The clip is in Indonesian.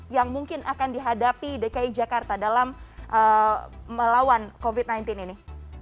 yang mungkin akan dihadapi dki jakarta dalam melawan covid sembilan belas ini